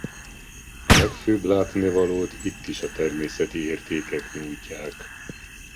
A legfőbb látnivalót itt is a természeti értékek nyújtják.